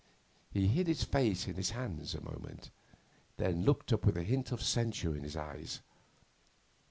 He hid his face in his hands a moment, then looked up with a hint of censure in his eyes.